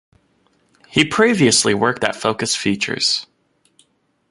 He previously worked at Focus Features.